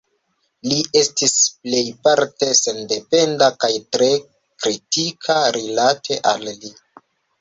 Li estis plejparte sendependa kaj tre kritika rilate al li.